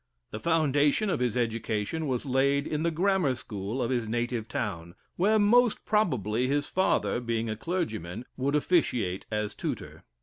The foundation of his education was laid in the grammar school of his native town, where most probably his father (being a clergyman) would officiate as tutor.